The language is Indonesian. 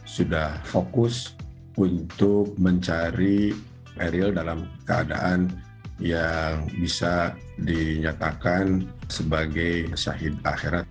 sudah fokus untuk mencari ariel dalam keadaan yang bisa dinyatakan sebagai sahid akhirat